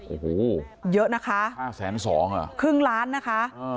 โอ้โหเยอะนะคะห้าแสนสองเหรอครึ่งล้านนะคะ